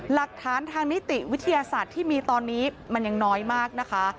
หลักฐานทางนิติวิทยาศาสตร์ที่มีตอนนี้มันยังน้อยมากนะคะ